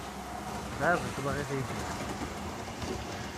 Tedɛiḍ i twaɣit ad yi-teddem.